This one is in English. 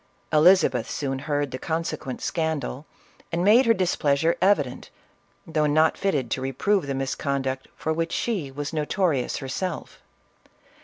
Elizabeth soon heard the con sequent scandal, and made her displeasure evident, though not fitted to reprove the misconduct for which she was notorious herself.